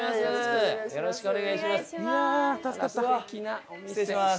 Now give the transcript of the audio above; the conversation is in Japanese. よろしくお願いします。